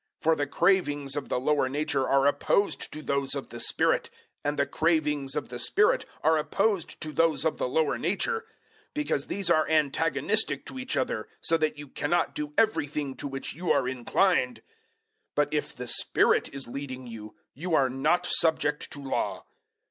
005:017 For the cravings of the lower nature are opposed to those of the Spirit, and the cravings of the Spirit are opposed to those of the lower nature; because these are antagonistic to each other, so that you cannot do everything to which you are inclined. 005:018 But if the Spirit is leading you, you are not subject to Law.